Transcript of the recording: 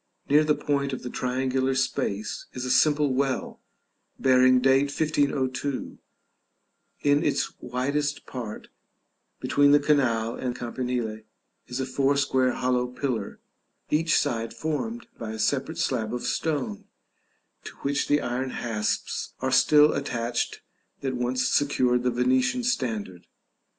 Near the point of the triangular space is a simple well, bearing date 1502; in its widest part, between the canal and campanile, is a four square hollow pillar, each side formed by a separate slab of stone, to which the iron hasps are still attached that once secured the Venetian standard.